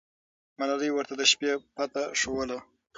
ملالۍ ورته د شپې پته ښووله.